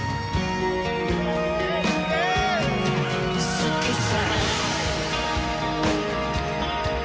「好きさ」